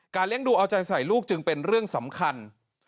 เลี้ยงดูเอาใจใส่ลูกจึงเป็นเรื่องสำคัญ